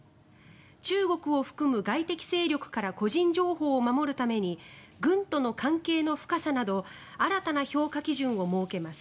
中国を含む外的勢力から個人情報を守るために軍との関係の深さなど新たな評価基準を設けます。